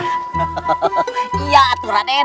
hahaha iya aturah nen